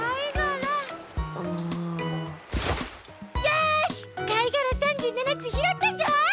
よしかいがら３７つひろったぞ！